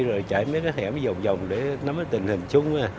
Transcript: rồi chạy mấy cái hẻm vòng vòng để nắm tình hình chung